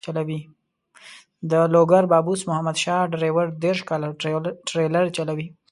د لوګر بابوس محمد شاه ډریور دېرش کاله ټریلر چلوي.